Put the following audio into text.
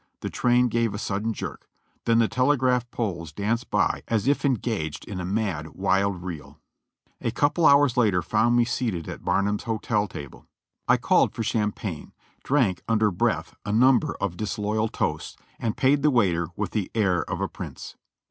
the train gave a sudden jerk; then the telegraph poles danced by as if en gaged in a mad, wild reel. A couple of hours later found me seated at Barnum's Hotel table. 1 called for champagne, drank under breath a number of disloyal toasts, and paid the waiter with the air of a prince.